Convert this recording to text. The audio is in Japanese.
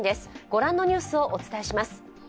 ご覧のニュースをお伝えします。